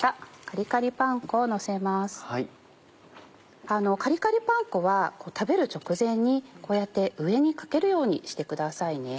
カリカリパン粉は食べる直前にこうやって上にかけるようにしてくださいね。